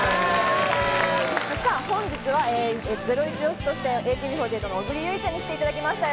本日は、ゼロイチ推しとして、ＡＫＢ４８の小栗有以ちゃんに来ていただきました。